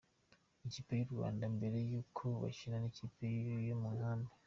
Ikipe y'u Rwanda mbere y'uko bakina n'ikipe yo mu nkambi